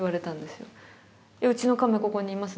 「うちの亀ここにいます。